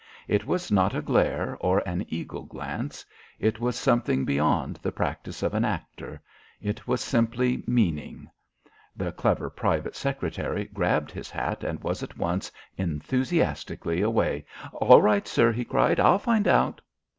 It was not a glare or an eagle glance; it was something beyond the practice of an actor; it was simply meaning. The clever private secretary grabbed his hat and was at once enthusiastically away. "All right, sir," he cried. "I'll find out."